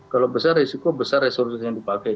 kalau besar risiko besar resolusi yang dipakai